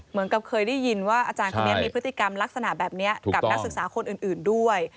เหมือนกับเคยได้ยินว่าอาจารย์คนนี้มีพฤติกรรมลักษณะแบบนี้กับนักศึกษาคนอื่นด้วย